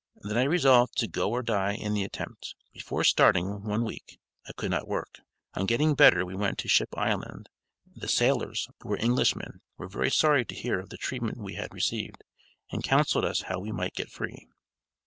"Then I resolved to 'go or die' in the attempt. Before starting, one week, I could not work. On getting better we went to Ship Island; the sailors, who were Englishmen, were very sorry to hear of the treatment we had received, and counselled us how we might get free."